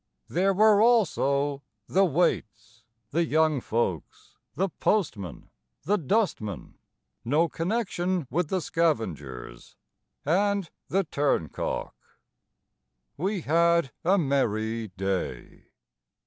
There were also the waits, The young folks, The postman, The dustman (No connection with the scavengers), And the turncock. We had a merry day.